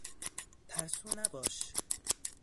ترسو نباش!